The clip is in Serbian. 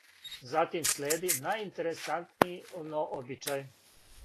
Затим следи најинтересантнији обичај.